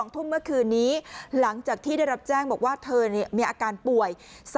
ทุ่มเมื่อคืนนี้หลังจากที่ได้รับแจ้งบอกว่าเธอมีอาการป่วย